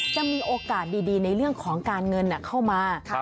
จะมีโอกาสดีในเรื่องของการเงินเข้ามา